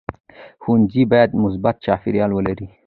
ښوونځی باید مثبت چاپېریال ولري.